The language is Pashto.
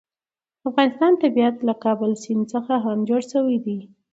د افغانستان طبیعت له کابل سیند څخه هم جوړ شوی دی.